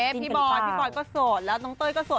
พี่บอยพี่บอยก็โสดแล้วน้องเต้ยก็โสด